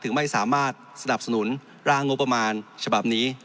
ไม่สามารถสนับสนุนร่างงบประมาณฉบับนี้